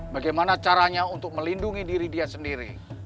bagaimana caranya untuk melindungi diri dia sendiri